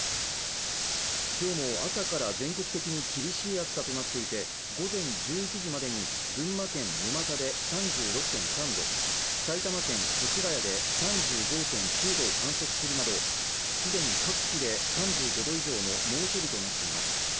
今日も朝から全国的に厳しい暑さとなっていて午前１１時までに群馬県沼田で３６．３度埼玉県越谷で３５．９度を観測するなどすでに各地で３５度以上の猛暑日となっています